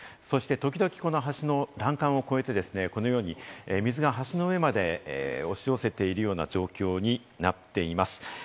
時々、橋の欄干を越えて水が橋の上まで押し寄せているような状況になっています。